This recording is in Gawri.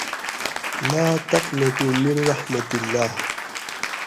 لا تقنطو مِن الرحمت اللّہ